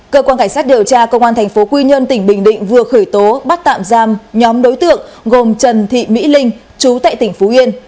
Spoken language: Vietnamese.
cơ quan cảnh sát điều tra công an tp quy nhơn tỉnh bình định vừa khởi tố bắt tạm giam nhóm đối tượng gồm trần thị mỹ linh chú tại tỉnh phú yên